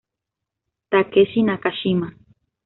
Takeshi Nakashima